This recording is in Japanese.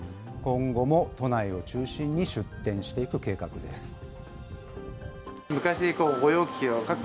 今後も都内を中心に出店していく計画です。